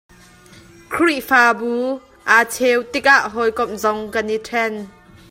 Khrihfabu aa cheu tikah hawikom zong an i ṭhen.